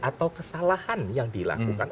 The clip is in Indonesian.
atau kesalahan yang dilakukan